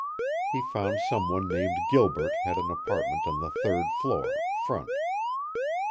He found some one named Gilbert had an apartment on the third floor, front.